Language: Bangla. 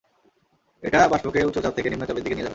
এটা বাষ্পকে উচ্চ চাপ থেকে নিম্ন চাপের দিকে নিয়ে যাবে।